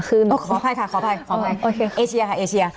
ขออภัยค่ะเอเชียค่ะ